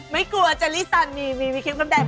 ไม่กลัวแจร์ลี่ซันมีคริมกำแดด